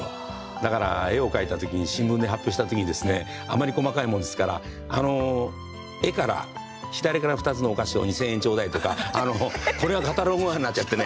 だから絵を描いた時に新聞で発表した時にですねあまり細かいもんですから絵から左から２つのお菓子を２，０００円頂戴とかこれがカタログ代わりになっちゃってね